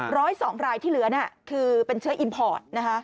ร้อยสองรายที่เหลือคือเป็นเชื้ออิมพอร์ตนะคะ